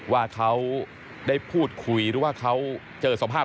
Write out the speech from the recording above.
ว่าเขาได้พูดคุยหรือว่าเขาเจอสภาพ